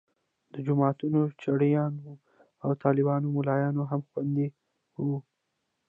د جوماتونو چړیان او طالبان ملایان هم خوندي وو.